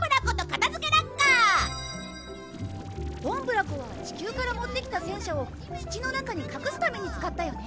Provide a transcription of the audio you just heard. ドンブラ粉は地球から持ってきた戦車を土の中に隠すために使ったよね